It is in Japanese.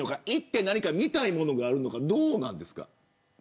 行って何か見たいものがあるのかどうなんですか。